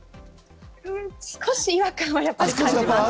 少し違和感はやっぱり感じます。